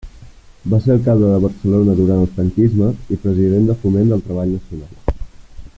Va ser alcalde de Barcelona durant el franquisme i president de Foment del Treball Nacional.